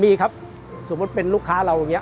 มีครับสมมุติเป็นลูกค้าเราอย่างนี้